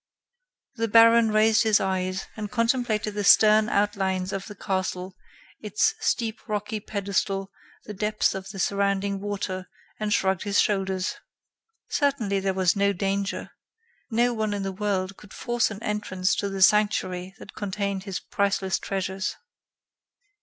The baron raised his eyes and contemplated the stern outlines of the castle, its steep rocky pedestal, the depth of the surrounding water, and shrugged his shoulders. Certainly, there was no danger. No one in the world could force an entrance to the sanctuary that contained his priceless treasures.